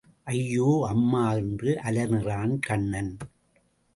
ஐயோ அம்மா என்று அலறினான் கண்ணன்.